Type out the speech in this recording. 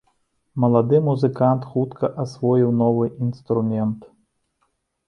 Малады музыкант хутка асвоіў новы інструмент.